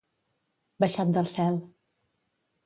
Baixat del cel.